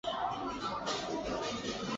莫内斯捷旁圣保罗人口变化图示